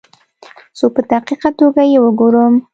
څو په دقیقه توګه یې وګورم.